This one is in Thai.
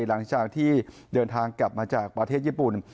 หลังจากที่เดินทางกลับมาจากประเทศญี่ปุ่น